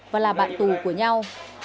và là bạn tù của nhau